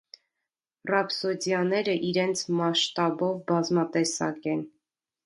Ռապսոդիաները իրենց մասշտաբովբազմատեսակ են։